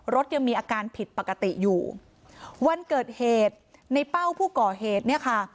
รถยังมีอาการผิดปกติอยู่วันเกิดเหตุในเป้าผู้ก่อเหตุเนี่ยค่ะ